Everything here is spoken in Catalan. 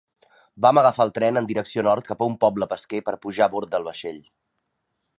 Vam agafar el tren en direcció nord cap a un poble pesquer per pujar a bord del vaixell.